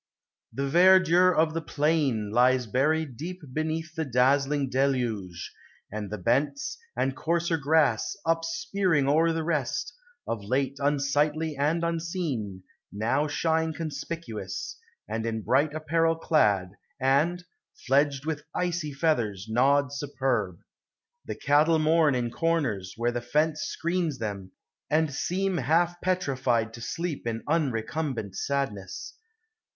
The verdure of the plain lies buried deep Beneath the dazzling deluge; and the bents. And coarser grass, upspearing o'er the rest, Of late unsightly and unseen, now shine Conspicuous, and in bright apparel dad. And, fledged with icy feathers, nod superb. The cattle mourn in corners, where the fence Screens them, and seem half petrified to sleep In unrecumbent sadness.